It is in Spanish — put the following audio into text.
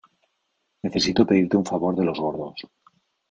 necesito pedirte un favor de los gordos.